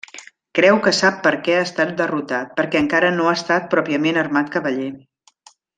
Creu que sap perquè ha estat derrotat: perquè encara no ha estat pròpiament armat cavaller.